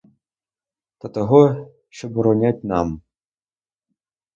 Та того, що боронять нам.